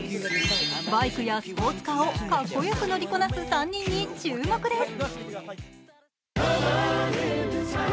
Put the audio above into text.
バイクやスポーツカーをかっこよく乗りこなす３人に注目です。